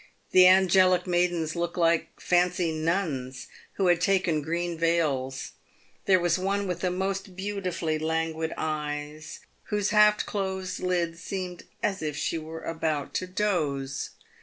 The angelic maidens looked like fancy nuns who had taken green veils. There was one with the most beautifully languid eyes, whose half closed lids seemed as if she were about to doze.